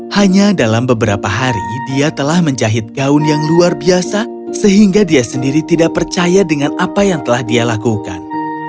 hanya dalam beberapa hari dia telah menjahit gaun yang luar biasa sehingga dia sendiri tidak percaya dengan apa yang telah dia lakukan